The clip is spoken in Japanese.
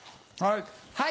はい！